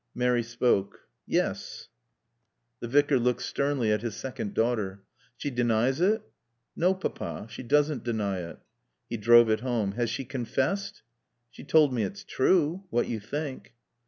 (Mary spoke.) "Yes." The Vicar looked sternly at his second daughter. "She denies it?" "No, Papa. She doesn't deny it." He drove it home. "Has she confessed?" "She's told me it's true what you think."